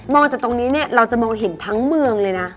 มองจากตรงนี้เราจะมองเห็นทั้งเมืองเลยนะ